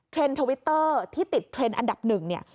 ทวิตเตอร์ที่ติดเทรนด์อันดับหนึ่งเนี่ย